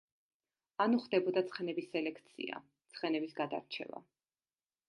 ანუ ხდებოდა ცხენების სელექცია; ცხენების გადარჩევა.